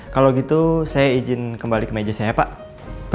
kalau gitu saya izin kembali ke meja saya pak